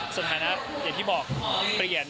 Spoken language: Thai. สถานะอย่างที่บอกเปลี่ยน